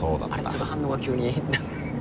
ちょっと反応が急に。